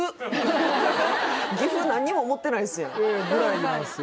岐阜何にも思ってないですやんぐらいなんですよ